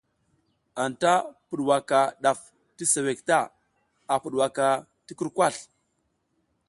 Anta pudwaka ɗaf ti suwek ta, a pudwaka ti kurkasl.